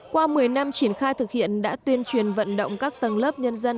qua một mươi năm triển khai thực hiện đã tuyên truyền vận động các tầng lớp nhân dân